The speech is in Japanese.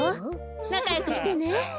なかよくしてね。